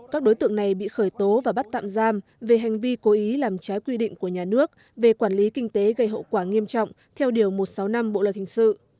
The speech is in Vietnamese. các đối tượng này bị khởi tố và bắt tạm giam về hành vi cố ý làm trái quy định của nhà nước về quản lý kinh tế gây hậu quả nghiêm trọng theo điều một trăm sáu mươi năm bộ luật hình sự